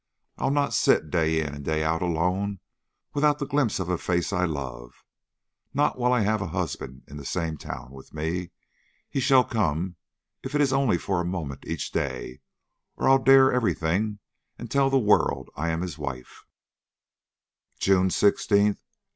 I'll not sit day in and day out alone without the glimpse of a face I love, not while I have a husband in the same town with me. He shall come, if it is only for a moment each day, or I'll dare every thing and tell the world I am his wife." "JUNE 16, 1872.